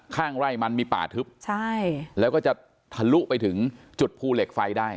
ข้างไร่มันมีป่าทึบใช่แล้วก็จะทะลุไปถึงจุดภูเหล็กไฟได้